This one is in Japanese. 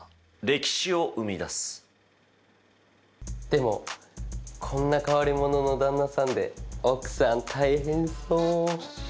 でもこんな変わり者の旦那さんで奥さん大変そう。